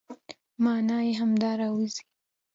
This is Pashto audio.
مانا يې همدا راوځي،